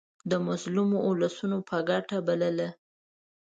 د مظلومو اولسونو په ګټه بلله.